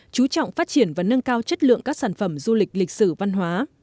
chú trọng phát triển và nâng cao chất lượng các sản phẩm du lịch lịch sử văn hóa